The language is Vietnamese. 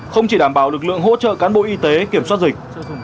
không chỉ đảm bảo lực lượng hỗ trợ cán bộ y tế kiểm soát dịch